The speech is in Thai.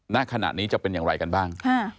ณขณะนี้จะเป็นอย่างไรกันบ้าง